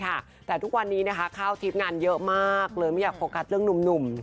เพราะว่าทุกวันนี้คะข้าวทีปงานเยอะมากเลยไม่อยากโพกัสเรื่องหนุ่ม